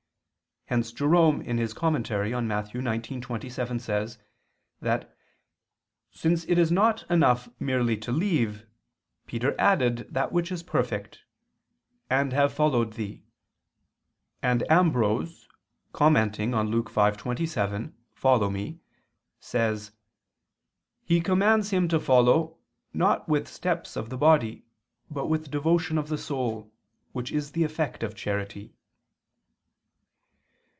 Hence Jerome in his commentary on Matt. 19:27, says that "since it is not enough merely to leave, Peter added that which is perfect: 'And have followed Thee'"; and Ambrose, commenting on Luke 5:27, "Follow Me," says: "He commands him to follow, not with steps of the body, but with devotion of the soul, which is the effect of charity."